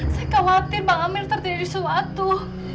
saya khawatir bang amir terserah